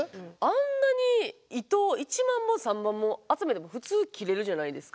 あんなに糸１万も３万も集めても普通切れるじゃないですか。